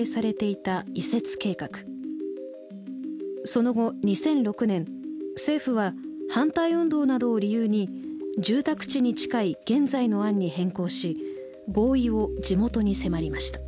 その後２００６年政府は反対運動などを理由に住宅地に近い現在の案に変更し合意を地元に迫りました。